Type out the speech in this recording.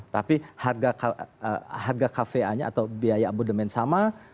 tapi harga kva nya atau biaya abodemen sama